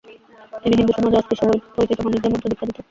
তিনি হিন্দু সমাজে অস্পৃশ্য বলে পরিচিত মানুষদের মন্ত্রদীক্ষা দিতেন।